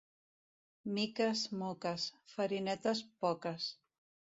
Miques, moques; farinetes, poques.